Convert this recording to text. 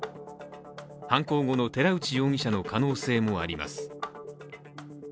犯行後の寺内容疑者の可能性もあります。